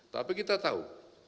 tapi kita tahu